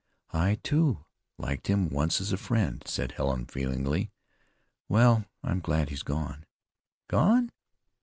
"I, too, liked him once as a friend," said Helen feelingly. "Well, I'm glad he's gone." "Gone?"